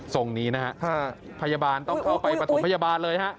ส่งนี้นะฮะพยาบาลต้องเข้าไปประถมพยาบาลเลยฮะ